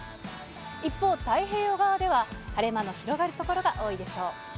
一方、太平洋側では晴れ間の広がる所が多いでしょう。